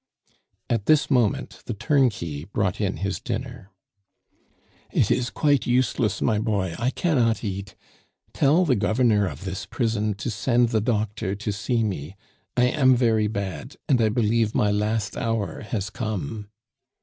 At this moment the turnkey brought in his dinner. "It is quite useless my boy; I cannot eat. Tell the governor of this prison to send the doctor to see me. I am very bad, and I believe my last hour has come."